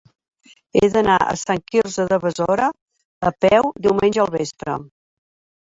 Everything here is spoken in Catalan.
He d'anar a Sant Quirze de Besora a peu diumenge al vespre.